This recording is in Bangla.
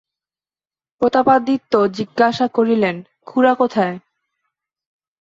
প্রতাপাদিত্য জিজ্ঞাসা করিলেন, খুড়া কোথায়?